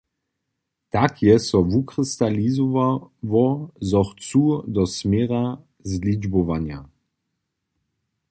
Tak je so wukristalizowało, zo chcu do směra zličbowanja.